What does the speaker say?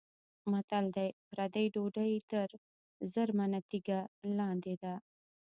متل دی: پردۍ ډوډۍ تر زرمنه تیږه لاندې ده.